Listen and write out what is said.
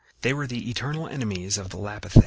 They were the eternal enemies of the Lapithæ.